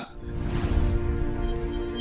keselamatan perikonomi dan sistim keuangan